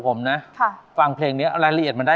เพราะคำหนึ่งคำว่ารักไม่ปล่อยให้ฉันไป